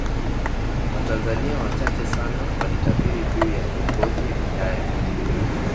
Watanzania wachache sana walitabiri juu ya uongozi ujayo